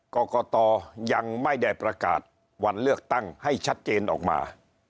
กรกตยังไม่ได้ประกาศวันเลือกตั้งให้ชัดเจนออกมา